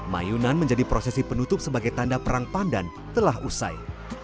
mayunan menjadi prosesi penutup sebagai tanda perang pandan telah usai